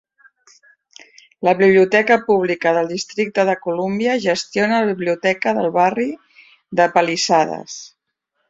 La biblioteca pública del districte de Columbia gestiona la biblioteca del barri de Palisades.